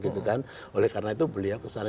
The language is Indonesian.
dan oleh karena itu beliau kesana